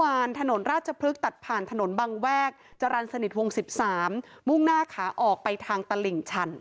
ถนนราชพฤกษ์ตัดผ่านถนนบางแวกจรรย์สนิทวง๑๓มุ่งหน้าขาออกไปทางตลิ่งชัน